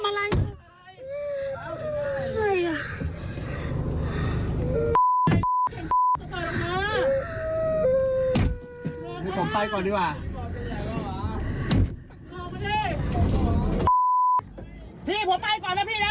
มันเกิดเหตุเป็นเหตุที่บ้านกลัว